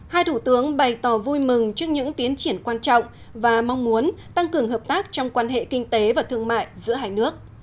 hai thủ tướng bày tỏ vui mừng trước những tiến triển quan trọng và mong muốn tăng cường hợp tác trong quan hệ kinh tế và thương mại giữa hai nước